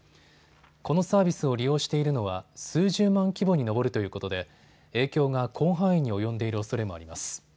このサービスを利用しているのは数十万規模に上るということで影響が広範囲に及んでいるおそれもあります。